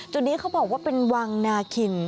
นี้เขาบอกว่าเป็นวังนาคิน